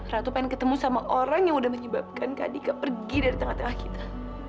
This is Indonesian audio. ratu pengen ketemu sama orang yang udah menyebabkan kak dika pergi dari tengah tengah kita